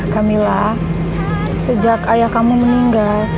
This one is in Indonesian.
kamila sejak ayah kamu meninggal